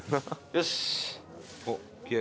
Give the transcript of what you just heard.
「よし」